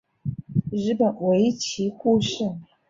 日本围棋故事